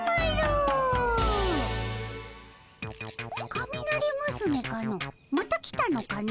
カミナリむすめかのまた来たのかの？